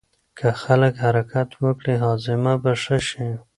که خلک حرکت وکړي هاضمه به ښه شي.